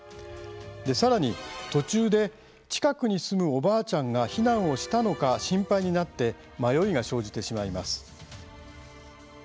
さらに、途中で近くに住むおばあちゃんが避難をしたのか心配になって迷いが生じてしまいます。